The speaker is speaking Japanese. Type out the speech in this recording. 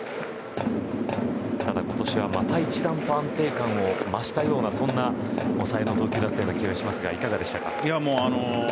ただ、今年はまた一段と安定感を増したようなそんな抑えの投球だった気がしますが、いかがでしたか？